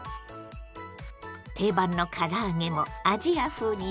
定番のから揚げもアジア風に大変身！